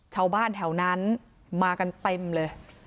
ชาวบ้านแถวนั้นมากันเต็มเลย